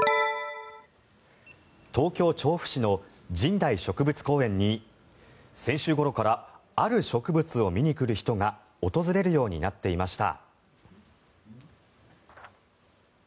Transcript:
東京・調布市の神代植物公園に先週ごろからある植物を見に来る人が訪れるようになっていました。